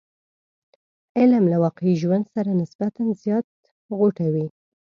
علم له واقعي ژوند سره نسبتا زیات غوټه وي.